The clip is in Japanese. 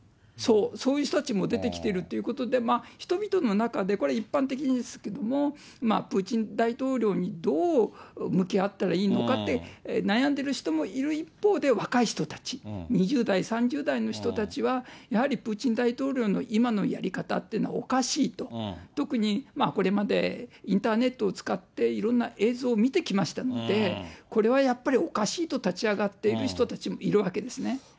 そういう人たちも出てきているということで、人々の中で、これ、一般的にですけども、プーチン大統領にどう向き合ったらいいのかって悩んでる人もいる一方で、若い人たち、２０代、３０代の人たちは、やはりプーチン大統領の今のやり方っていうのは、おかしいと、特に、これまでインターネットを使って、いろんな映像を見てきましたので、これはやっぱりおかしいと立ち上がっている人たちもいるわけですね。